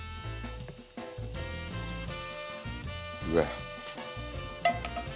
うわ。